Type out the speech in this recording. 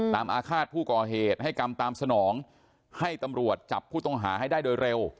อาฆาตผู้ก่อเหตุให้กรรมตามสนองให้ตำรวจจับผู้ต้องหาให้ได้โดยเร็ว